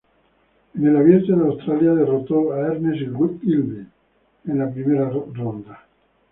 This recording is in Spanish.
En el Abierto de Australia, derrotó a Ernests Gulbis en la primera ronda.